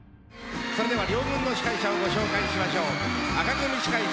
それでは両軍の司会者をご紹介しましょう。